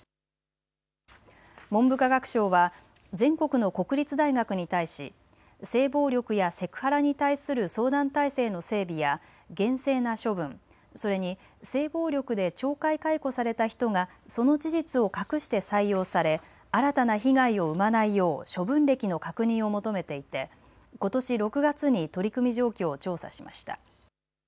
文部科学省は全国の国立大学に対し性暴力やセクハラに対する相談体制の整備や厳正な処分、それに性暴力で懲戒解雇された人がその事実を隠して採用され新たな被害を生まないよう処分歴の確認を求めていてことし６月に取り組み状況を調査しました。